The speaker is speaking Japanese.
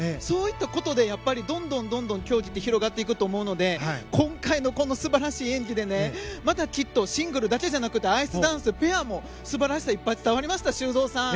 そういったことでどんどん競技って広がっていくと思うので今回のこの素晴らしい演技でまたきっとシングルだけじゃなくてアイスダンス、ペアも素晴らしさがいっぱい伝わりました。